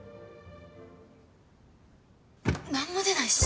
何も出ないし。